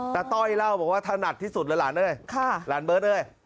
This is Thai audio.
ต้อยเล่าบอกว่าถนัดที่สุดเลยหลานเอ้ยหลานเบิร์ตเอ้ย